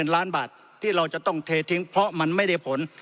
๑ล้านบาทที่เราจะต้องเททิ้งเพราะมันไม่ได้ผล